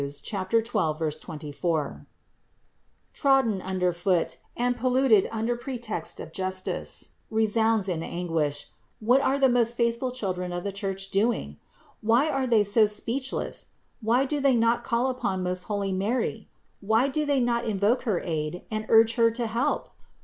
12, 24) trodden under foot and polluted under pretext of justice, re sounds in anguish, what are the most faithful children of the Church doing ? Why are they so speechless ? Why do they not call upon most holy Mary? Why do they not invoke her aid and urge Her to help